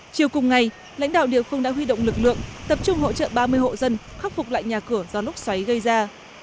chiều cùng ngày lãnh đạo địa phương đã huy động lực lượng tập trung hỗ trợ ba mươi hộ dân khắc phục lại nhà cửa do lốc xoáy gây ra